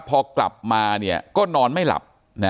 พอกลับมาก็นอนไม่หลับ